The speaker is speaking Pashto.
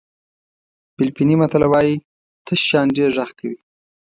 فلیپیني متل وایي تش شیان ډېر غږ کوي.